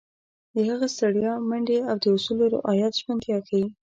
د هغه ستړیا، منډې او د اصولو رعایت ژمنتیا ښيي.